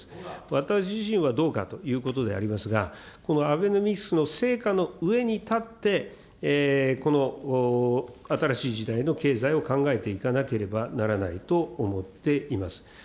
私自身はどうかということでありますが、このアベノミクスの成果の上に立って、新しい時代の経済を考えていかなければならないと思っています。